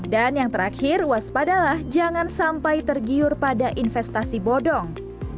dan yang terakhir waspadalah jangan sampai tergiur pada investasi bodong